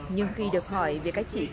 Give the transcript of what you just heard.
nhưng khi được hỏi về cách chỉ tiêu công bố